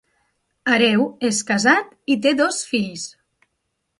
Hereu és casat i té dos fills.